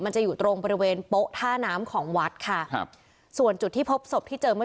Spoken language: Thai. จะอยู่ตรงบริเวณโป๊ะท่าน้ำของวัดค่ะครับส่วนจุดที่พบศพที่เจอเมื่อ